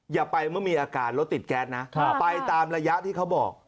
อย่าไปเมื่อมีอาการรถติดแก๊สนะไปตามระยะที่เขาบอก